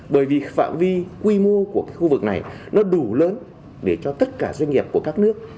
bởi vì phạm vi quy mô của cái khu vực này nó đủ lớn để cho tất cả doanh nghiệp của các nước